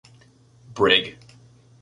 Brig.